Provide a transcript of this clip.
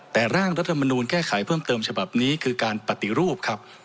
แต่ร่างรัฐมนูลแก้ไขเพิ่มเติมฉบับนี้คือการปฏิรูปครับ